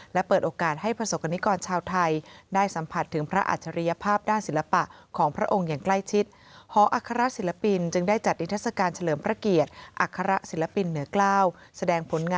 และเปิดโอกาสให้ประสบกรณิกรชาวไทยได้สัมผัสถึงพระอัจฉริยภาพด้านศิลปะของพระองค์อย่างใกล้ชิด